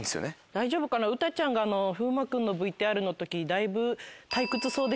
大丈夫かな詩ちゃんが風磨君のＶＴＲの時だいぶ。